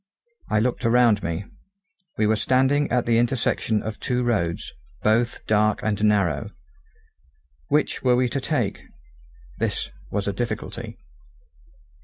I looked around me. We were standing at the intersection of two roads, both dark and narrow. Which were we to take? This was a difficulty.